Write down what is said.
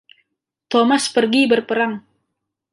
Thomas pergi berperang!